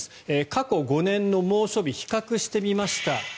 過去５年の猛暑日を比較してみました。